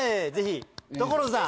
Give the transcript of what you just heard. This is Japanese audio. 所さん。